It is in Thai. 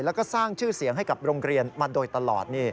แล้วก็สร้างชื่อเสียงให้กับโรงเรียนมาโดยตลอด